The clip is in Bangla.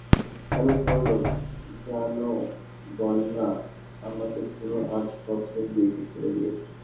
অমিত বললে, জান বন্যা, আমাকে তুমি আজ পথের দিকে ঠেলে দিয়েছ।